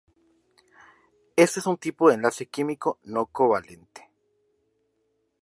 Éste es un tipo de enlace químico no covalente.